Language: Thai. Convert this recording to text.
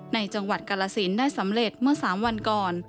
ในจังหวัดกาลสินได้สำเร็จเมื่อ๓วันก่อน